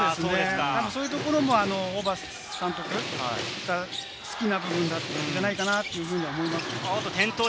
そういうところもホーバス監督が好きな部分なんじゃないかなというふうに思います。